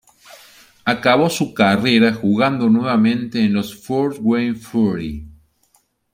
Acabó su carrera jugando nuevamente en los Fort Wayne Fury.